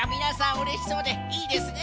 うれしそうでいいですね